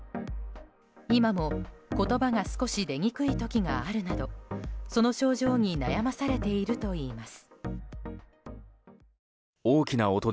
今も言葉が少し出にくい時があるなどその症状に悩まされているといいます。